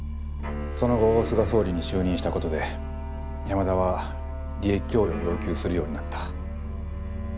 その後大須が総理に就任したことで山田は利益供与を要求するようになった。